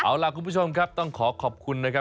เอาล่ะคุณผู้ชมครับต้องขอขอบคุณนะครับ